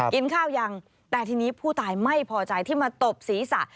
กินข้าวยังแต่ทีนี้ผู้ตายไม่พอใจที่มาตบศีรษะ